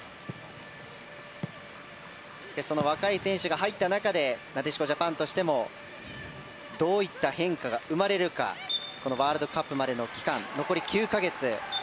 若い選手が入った中でなでしこジャパンとしてもどういった変化が生まれるかそのワールドカップまでの期間残り９か月。